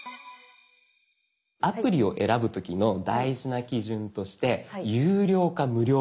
アプリを選ぶ時の大事な基準として有料か無料か。